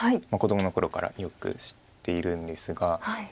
子どもの頃からよく知っているんですが。